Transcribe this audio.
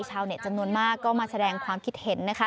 ชาวเน็ตจำนวนมากก็มาแสดงความคิดเห็นนะคะ